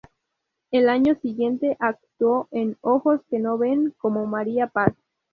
El año siguiente actuó en "Ojos que no ven" como María Paz.